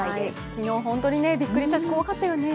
昨日本当にびっくりしたし、怖かったよね。